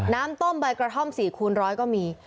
น้ำต้มใบกระท่อม๔คูณร้อยก็มี